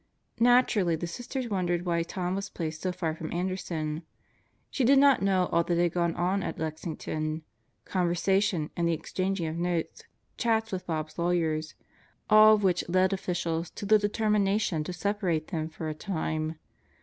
Naturally the Sisters wondered why Tom was placed so far from Anderson. They did not know all that had gone on at Lexington: conversation and the exchanging of notes, chats with Bob's lawyers, all of which led officials to the determination to separate them for a time.